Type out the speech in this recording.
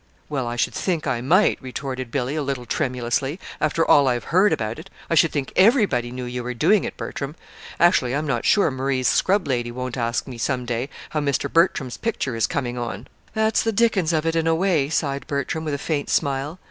"Well, I should think I might," retorted Billy, a little tremulously, "after all I've heard about it. I should think everybody knew you were doing it, Bertram. Actually, I'm not sure Marie's scrub lady won't ask me some day how Mr. Bertram's picture is coming on!" "That's the dickens of it, in a way," sighed Bertram, with a faint smile.